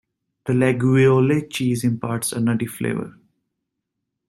The Laguiole cheese imparts a nutty flavour.